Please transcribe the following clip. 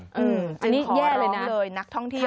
อันนี้แย่เลยนะเลยนักท่องเที่ยว